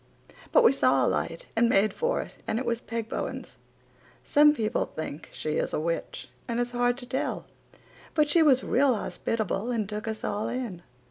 But we saw a light and made for it and it was Peg Bowen's. Some people think she is a witch and it's hard to tell, but she was real hospitable and took us all in.